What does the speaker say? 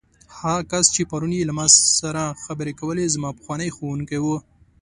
هغه کس چې پرون یې له ما سره خبرې کولې، زما پخوانی ښوونکی و.